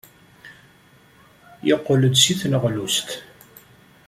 Yeqqel-d seg tneɣlust.